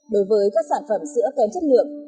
đối với các sản phẩm sữa kém chất lượng